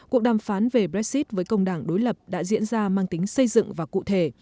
cuộc đàm phán về brexit với công đảng đối lập đã diễn ra mang tính xây dựng và cụ thể